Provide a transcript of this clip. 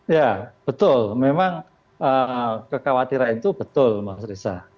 ya betul memang kekhawatiran itu betul mas riza